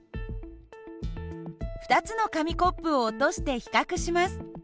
２つの紙コップを落として比較します。